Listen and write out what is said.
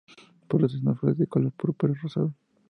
Produce unas flores de color púrpura-rosado.